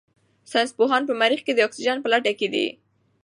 ساینس پوهان په مریخ کې د اکسیجن په لټه کې دي.